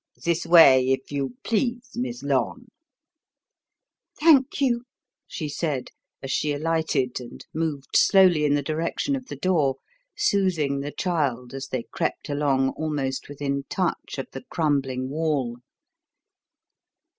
This way, if you please, Miss Lorne." "Thank you," she said as she alighted and moved slowly in the direction of the door, soothing the child as they crept along almost within touch of the crumbling wall.